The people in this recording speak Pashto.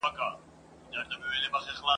له لمني یې د وینو زڼي پاڅي !.